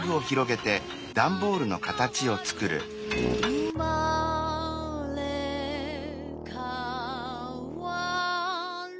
「うまれかわる」